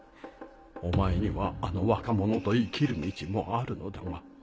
お前にはあの若者と生きる道もあるのだが。